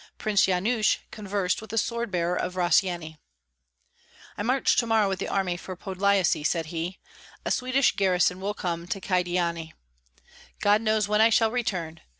Prince Yanush conversed with the sword bearer of Rossyeni. "I march to morrow with the army for Podlyasye," said he. "A Swedish garrison will come to Kyedani. God knows when I shall return.